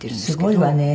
すごいわね。